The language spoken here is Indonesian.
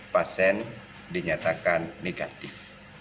pasien dinyatakan negatif